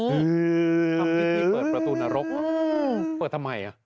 เฮ้อทำพิธีเปิดประตูนรกเปิดทำไมอ่ะ